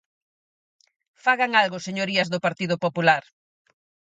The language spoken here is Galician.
¡Fagan algo, señorías do Partido Popular!